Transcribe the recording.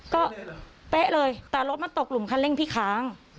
ก็เป๊ะเลยแต่รถมันตกหลุมคันเร่งพี่ค้าง